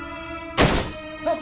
あっ！